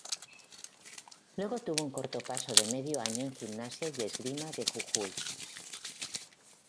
Luego tuvo un corto paso de medio año en Gimnasia y Esgrima de Jujuy.